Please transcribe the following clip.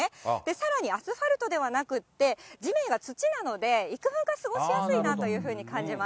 さらにアスファルトではなくて、地面が土なので、いくぶんか過ごしやすいなというふうに感じます。